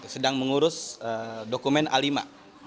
sedang mengurus dokumen a lima